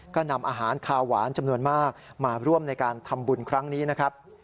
ก็นำอาหารคาหวานจำนวนมากมาร่วมในการทำบุญครั้งนี้นะครับ